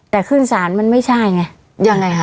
แต่ขึ้นศาลมันไม่ใช่ไง